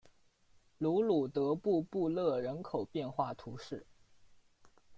卢鲁德布布勒人口变化图示